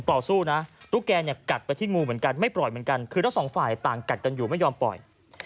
ต่อสู้นะตุ๊กแกเนี่ยกัดไปที่งูเหมือนกันไม่ปล่อยเหมือนกันคือทั้งสองฝ่ายต่างกัดกันอยู่ไม่ยอมปล่อย